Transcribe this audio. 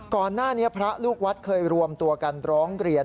ก่อนหน้านี้พระลูกวัดเคยรวมตัวกันร้องเรียน